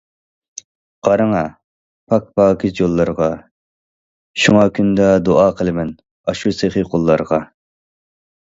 قاراڭە پاك- پاكىز يوللارغا، شۇڭا كۈندە دۇئا قىلىمەن ئاشۇ سېخى قوللارغا.